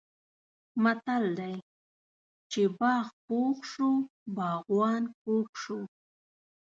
متل دی: چې باغ پوخ شو باغوان کوږ شو.